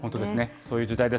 そういう時代です。